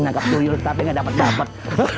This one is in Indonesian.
nangkap tuyul tapi gak dapet dapet